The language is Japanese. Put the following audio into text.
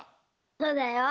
そうだよ。